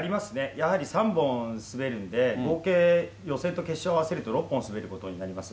やはり３本滑るんで、合計、予選と決勝で合わせると６本滑ることになります。